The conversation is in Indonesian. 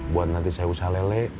buat nanti saya usaha lele